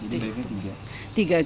jadi berapa ini